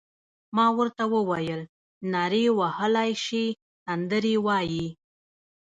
ما ورته وویل: نارې وهلای شې، سندرې وایې؟